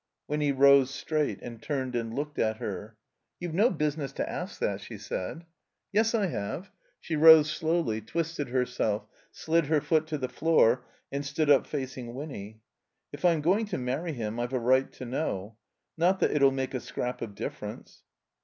Winny rose straight and turned and looked at her. "You've no business to ask that," she said. ^^ "Yes I have." She rose slowly, twisted herself, slid her foot to the floor, and stood up facing Winny. "If I'm going to marry him I've a right to know. Not that it '11 make a scrap of difference."